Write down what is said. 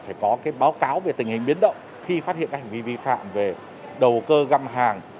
phải có báo cáo về tình hình biến động khi phát hiện các hành vi vi phạm về đầu cơ găm hàng